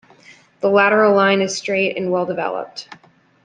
The lateral line is straight and well-developed.